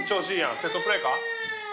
セットプレーか？